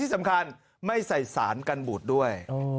สำคัญไม่ใส่สารกันบุตรด้วย